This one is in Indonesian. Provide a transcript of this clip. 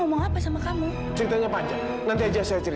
sepertinya sepertinya tidak dokter